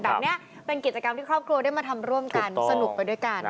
แบบนี้เป็นกิจกรรมที่ครอบครัวได้มาทำร่วมกันสนุกไปด้วยกัน